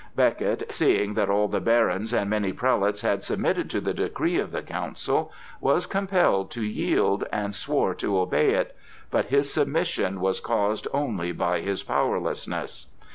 Becket, seeing that all the barons and many prelates had submitted to the decree of the council, was compelled to yield, and swore to obey it; but his submission was caused only by his powerlessness.